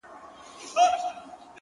o بې حیا یم ـ بې شرفه په وطن کي ـ